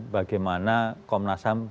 bagaimana komnas ham